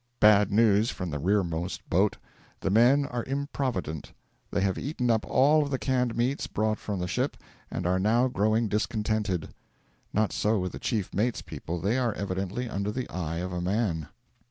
Bad news from the rearmost boat: the men are improvident; 'they have eaten up all of the canned meats brought from the ship, and are now growing discontented.' Not so with the chief mate's people they are evidently under the eye of a man.